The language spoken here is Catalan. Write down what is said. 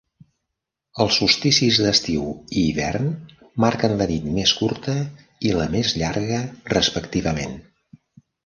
Els solsticis d'estiu i hivern marquen la nit més curta i la més llarga, respectivament.